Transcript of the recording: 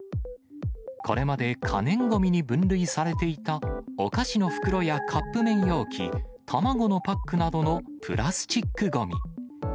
これまで可燃ごみに分類されていたお菓子の袋やカップ麺容器、卵のパックなどのプラスチックごみ。